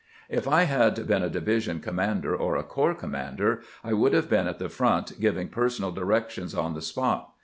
If I had been a division commander or a corps commander, I would have been at the front giving personal directions on the spot.